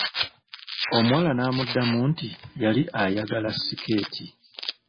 Omuwala n'amuddamu nti yali ayagala sikeeti.